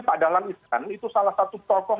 pak dahlan iskan itu salah satu tokoh